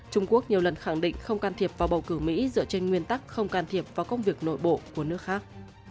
trung quốc nhiều lần khẳng định không can thiệp vào bầu cử mỹ dựa trên nguyên tắc không can thiệp vào công việc nội bộ của nước khác